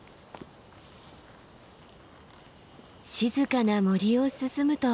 静かな森を進むと。